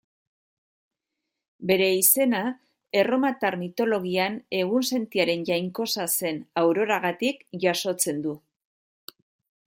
Bere izena, erromatar mitologian, egunsentiaren jainkosa zen Auroragatik jasotzen du.